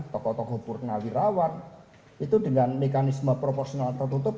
tokoh tokoh purnawirawan itu dengan mekanisme proporsional tertutup